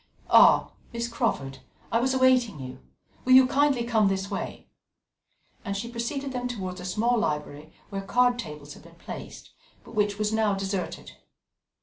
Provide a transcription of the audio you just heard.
"Ah! Miss Crawford! I was awaiting you. Will you kindly come this way?" And she preceded them towards a small library, where card tables had been placed, but which was now deserted.